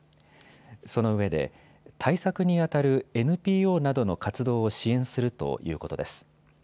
そのうえで対策にあたるＮＰＯなどの活動を支援するということです。